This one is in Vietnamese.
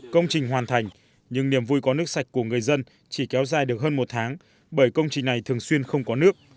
công trình hoàn thành nhưng niềm vui có nước sạch của người dân chỉ kéo dài được hơn một tháng bởi công trình này thường xuyên không có nước